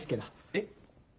えっ？